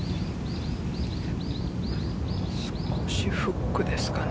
少しフックですかね。